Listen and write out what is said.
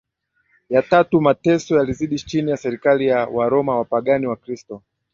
ya tatub mateso yalizidi chini ya serikali ya Waroma Wapagani Wakristo